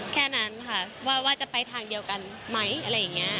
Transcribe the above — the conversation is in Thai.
แค่นั้นค่ะว่าจะไปทางเดียวกันไหมอะไรอย่างนี้